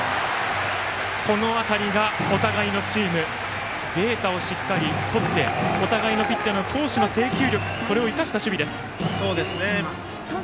この辺りがお互いのチームデータをしっかりとってお互いの投手の制球力を生かした守備です。